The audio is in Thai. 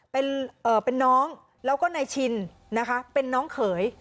เป็นน้องแล้วก็นายชินนะคะเป็นน้องเขย